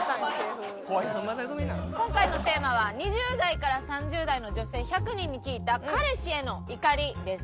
今回のテーマは２０代から３０代の女性１００人に聞いた彼氏への怒りです。